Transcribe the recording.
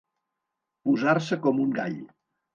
Posar-se com un gall.